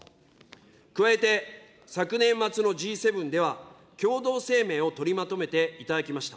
加えて昨年末のＧ７では、共同声明を取りまとめていただきました。